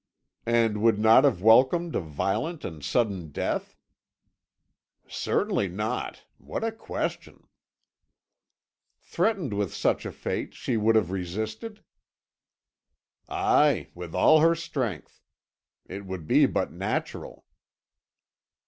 "And would not have welcomed a violent and sudden death?" "Certainly not. What a question!" "Threatened with such a fate, she would have resisted?" "Aye, with all her strength. It would be but natural."